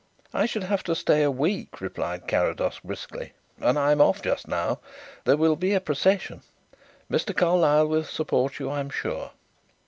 "I should have to stay a week," replied Carrados briskly, "and I'm just off now. There will be a procession. Mr. Carlyle will support you, I am sure."